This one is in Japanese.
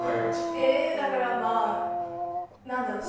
ええだからまあなんだろう？